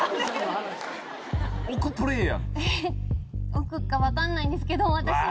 億か分かんないんですけど私は。